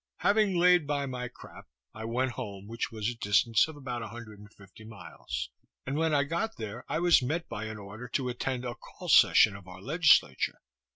Having laid by my crap, I went home, which was a distance of about a hundred and fifty miles; and when I got there, I was met by an order to attend a call session of our Legislature.